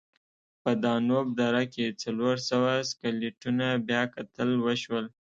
په دانوب دره کې څلور سوه سکلیټونه بیاکتل وشول.